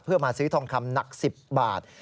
เพื่อมาซื้อทองคำหนัก๑๐บาท